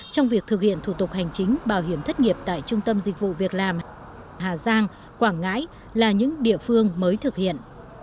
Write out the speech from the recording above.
trong việc thực hiện thủ tục hành chính bảo hiểm thất nghiệp tại trung tâm dịch vụ việc làm hà giang quảng ngãi là những địa phương mới thực hiện